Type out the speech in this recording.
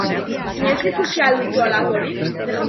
Inoiz ikusi al duzu halakorik?